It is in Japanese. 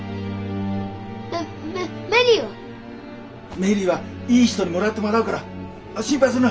メリーはいい人にもらってもらうから心配するな。